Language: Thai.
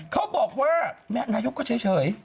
เขาบอกว่าแม่นายกก็เฉย